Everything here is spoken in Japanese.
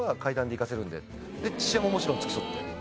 で父親ももちろん付き添って。